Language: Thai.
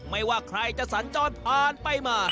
ไม่ว่าใครจะสัญจรผ่านไปมา